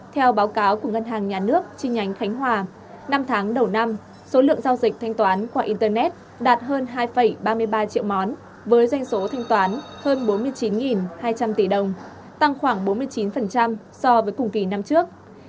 theo báo cáo của ngân hàng nhà nước chi nhánh khánh hòa năm tháng đầu năm số lượng giao dịch thanh toán qua internet đạt hơn hai ba mươi ba triệu món với doanh số thanh toán hơn bốn mươi chín hai trăm linh tỷ đồng tăng khoảng bốn mươi chín so với cùng kỳ năm trước